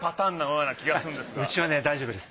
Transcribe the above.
うちはね大丈夫です。